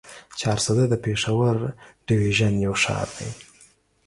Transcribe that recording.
چارسده د پېښور ډويژن يو ښار دی.